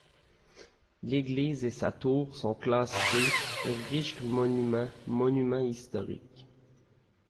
L'église et sa tour sont classés Rijksmonument, monument historiques.